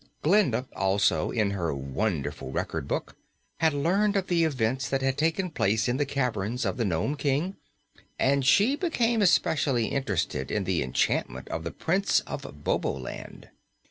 Glinda, also, in her wonderful Record Book had learned of the events that had taken place in the caverns of the Nome King and she became especially interested in the enchantment of the Prince of Boboland.